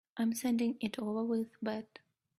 I'm sending it over with Beth.